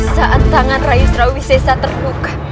saat tangan rai esrawi sesat terbuka